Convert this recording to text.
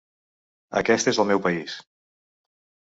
Aquest és el meu país.